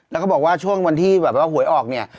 แล้วก็บอกว่าช่วงวันที่แบบว่าหวยออกเนี่ย